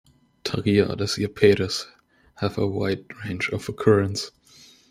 "Tagiades japetus" have a wide range of occurrence.